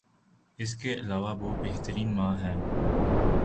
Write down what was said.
اس کے علاوہ وہ بہترین ماں ہیں